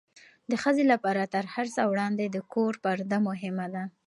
د ښځې لپاره تر هر څه وړاندې د کور پرده مهمه ده.